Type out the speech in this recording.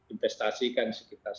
investasi kan sekitar sepuluh